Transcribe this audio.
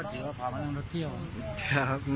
สวัสดีครับสวัสดีครับ